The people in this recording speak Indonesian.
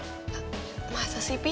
masa sih pi